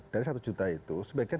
dari satu juta itu sebagian